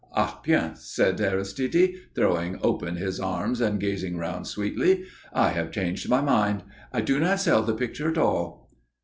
_" "Eh bien," said Aristide, throwing open his arms and gazing round sweetly. "I have changed my mind. I do not sell the picture at all."